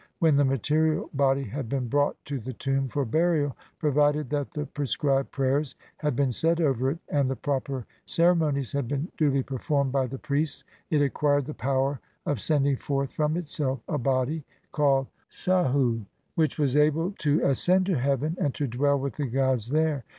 When the material body had been brought to the tomb for burial, provided that the prescribed prayers had been said over it and the proper cere monies had been duly performed by the priests, it acquired the power of sending forth from itself a body, called sahu, which was able to ascend to heaven and to dwell with the gods there.